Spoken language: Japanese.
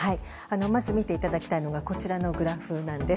まず見ていただきたいのがこちらのグラフなんです。